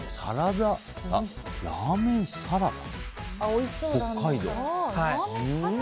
ラーメンサラダ？